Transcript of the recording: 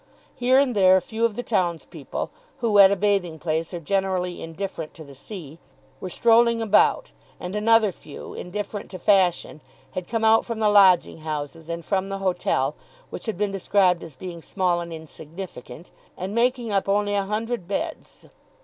Here and there a few of the townspeople, who at a bathing place are generally indifferent to the sea, were strolling about; and another few, indifferent to fashion, had come out from the lodging houses and from the hotel, which had been described as being small and insignificant, and making up only a hundred beds.